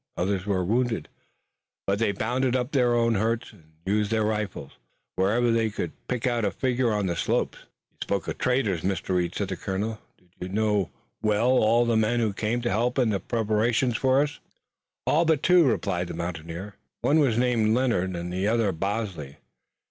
Others were wounded, but they bound up their own hurts and used their rifles, whenever they could pick out a figure on the slopes. "You spoke of traitors, Mr. Reed," said the colonel. "Did you know well all the men who came to help in the preparations for us?" "All but two," replied the mountaineer. "One was named Leonard and the other Bosley.